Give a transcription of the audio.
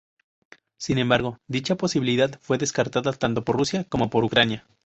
Sin embargo, dicha posibilidad fue descartada tanto por Rusia como por Ucrania.